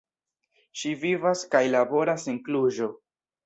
Ŝi vivas kaj laboras en Kluĵo.